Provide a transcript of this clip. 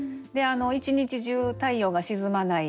一日中太陽が沈まない。